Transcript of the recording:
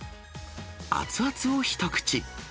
熱々を一口。